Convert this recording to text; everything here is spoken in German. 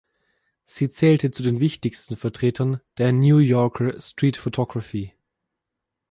Sie zählte zu den wichtigsten Vertretern der "New Yorker Street Photography.